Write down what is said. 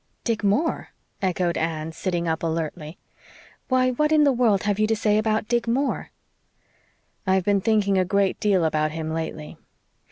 "Dick Moore?" echoed Anne, sitting up alertly. "Why, what in the world have you to say about Dick Moore?" "I've been thinking a great deal about him lately.